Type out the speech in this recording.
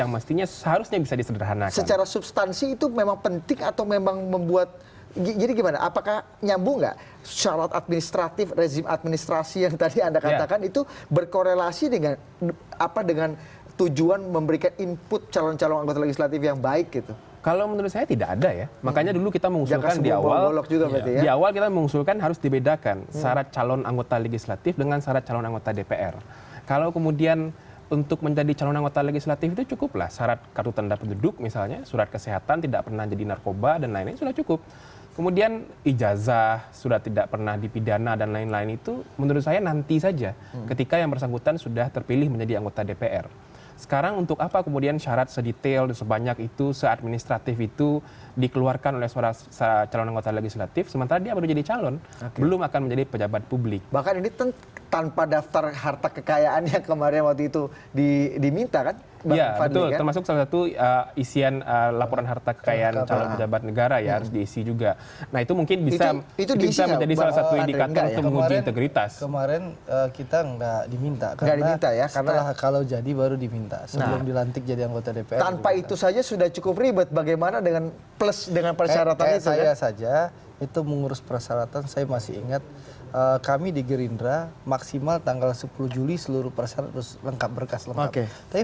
gerindra maksimal tanggal sepuluh juli seluruh persyaratus lengkap berkas lemak kek tapi